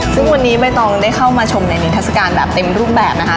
ซึ่งวันนี้ใบตองได้เข้ามาชมในนิทัศกาลแบบเต็มรูปแบบนะคะ